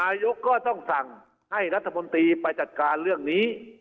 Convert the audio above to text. นายกก็ต้องสั่งให้รัฐมนตรีไปจัดการเรื่องนี้